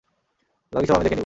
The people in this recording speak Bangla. বাকি সব আমি দেখে নিব।